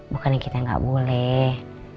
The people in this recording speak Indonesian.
bukannya kita gak boleh